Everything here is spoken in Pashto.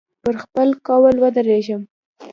پر خپل قول ودرېږم.